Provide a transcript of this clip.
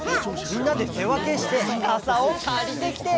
みんなでてわけしてかさをかりてきて！